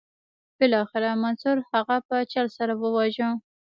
بالاخره منصور هغه په چل سره وواژه.